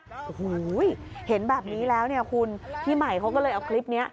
โอ้โฮเห็นแบบนี้แล้วพี่หมายเขาก็เลยเอาคลิปนี้